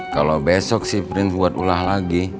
kalau besok si prince buat ulah lagi